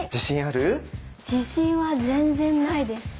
自信は全然ないです。